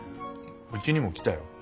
うちにも来たよ。